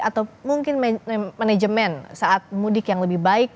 atau mungkin manajemen saat mudik yang lebih baik